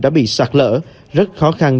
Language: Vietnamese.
đã bị sạt lỡ rất khó khăn